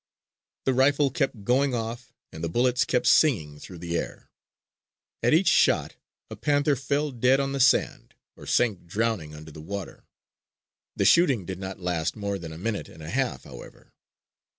The rifle kept going off and the bullets kept singing through the air. At each shot a panther fell dead on the sand or sank drowning under the water. The shooting did not last more than a minute and a half, however.